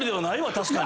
確かに。